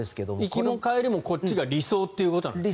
行きも帰りも、こっちが理想ということなんですね。